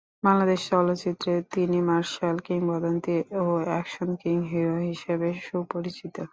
বাংলাদেশ চলচ্চিত্রে তিনি মার্শাল কিংবদন্তি ও অ্যাকশন কিং হিরো হিসেবে সুপরিচিত।